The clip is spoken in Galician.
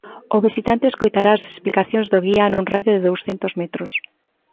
O visitante escoitará as explicacións do guía nun radio de douscentos metros.